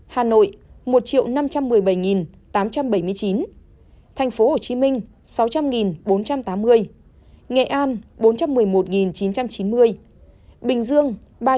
hà nội một năm trăm một mươi bảy tám trăm bảy mươi chín thành phố hồ chí minh sáu trăm linh bốn trăm tám mươi nghệ an bốn trăm một mươi một chín trăm chín mươi bình dương ba trăm tám mươi tám trăm chín mươi hai